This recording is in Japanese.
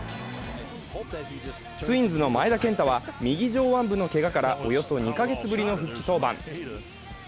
ツインズの前田健太は、右上腕部のけがからおよそ２か月ぶりの復帰登板。